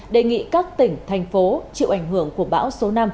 đề nghị các tỉnh thành phố chịu ảnh hưởng của bão số năm